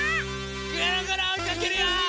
ぐるぐるおいかけるよ！